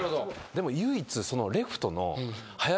でも唯一。